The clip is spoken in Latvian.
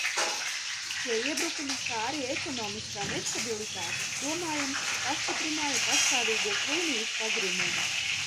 Šie iebrukumi, kā arī ekonomiskā nestabilitāte, domājams, pastiprināja pastāvīgo Klūnijas pagrimumu.